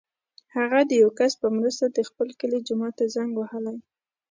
هغه د یو کس په مرسته د خپل کلي جومات ته زنګ وهلی.